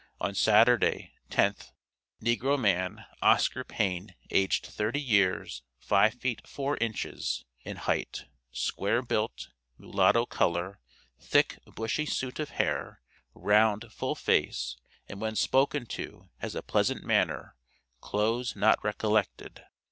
on Saturday, 10th inst, Negro Man, Oscar Payne aged 30 years, 5 feet 4 inches in height, square built, mulatto color, thick, bushy suit of hair, round, full face, and when spoken to has a pleasant manner clothes not recollected.